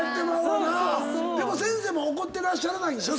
でも先生も怒ってらっしゃらないんでしょ。